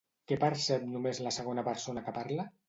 Què percep només la segona persona que parla?